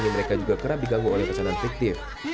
mereka juga kerap diganggu oleh pesanan fiktif